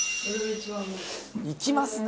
「いきますね！」